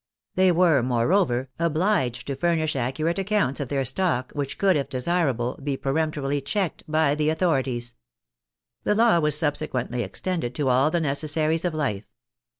They were, moreover, obliged to furnish accurate accounts of their stock, which could, if desirable, be peremptorily checked" by the authorities. The law was subsequently extended to all the necessaries of life.